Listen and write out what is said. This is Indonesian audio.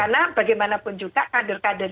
karena bagaimanapun juga kader kader